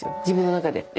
自分の中で。